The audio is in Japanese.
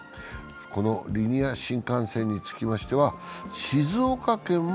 このリニア新幹線につきましては静岡県も